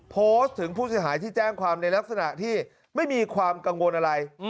โพสต์ถึงผู้เสียหายที่แจ้งความในลักษณะที่ไม่มีความกังวลอะไร